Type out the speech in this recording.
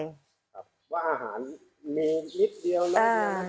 ว่าอาหารเมนนิดเดียวนะ